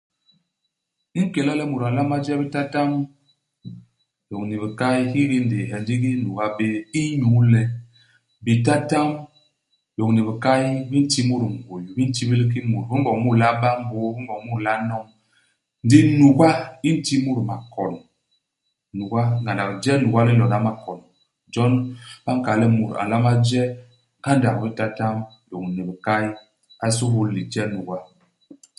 I nkéla le mut a nlama je bitatam lôñni bikay hiki ndéé he ndigi nuga bé inyu le, bitatam lôñni bikay bi nti mut nguy. Bi ntibil ki mut. Bi m'boñ mut le a ba mbôô. Bi m'boñ mut le a n'nom. Ndi nuga i nti mut makon. Nuga. Ngandak ije nuga li nlona makon. Jon ba nkal le mut a nlama je ngandak i bitatam lôñni bikay, a suhul lije nuga.